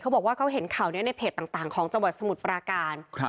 บอกว่าเขาเห็นข่าวนี้ในเพจต่างของจังหวัดสมุทรปราการ